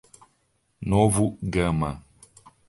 Novo Gama